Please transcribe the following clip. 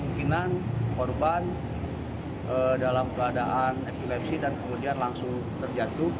kemungkinan korban dalam keadaan epilepsi dan kemudian langsung terjatuh